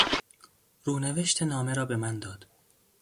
رونوشت نامه را به من داد.